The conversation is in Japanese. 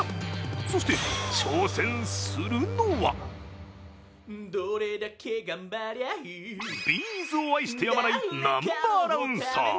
そして挑戦するのはＢ’ｚを愛してやまない南波アナウンサー。